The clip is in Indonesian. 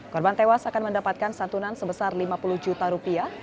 korban tewas akan mendapatkan santunan sebesar lima puluh juta rupiah